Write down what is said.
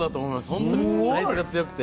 本当に大豆が強くて。